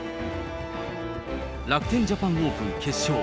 楽天ジャパンオープン決勝。